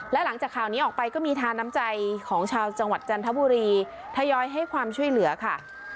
และหลังจากข่าวนี้ออกไปก็มีทาน้ำใจของชาวจังหวัดจันทบุรีทยอยให้ความช่วยเหลือค่ะ